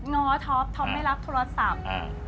ง้อท็อปท็อปไม่รับโทรศัพท์